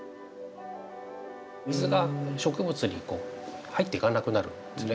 水が植物に入っていかなくなるんですね